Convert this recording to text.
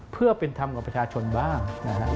เพื่อเป็นธรรมกับประชาชนบ้างนะฮะ